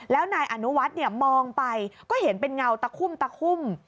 แล้วนายอนุวัติมองไปก็เห็นเป็นเงาตะคุ่ม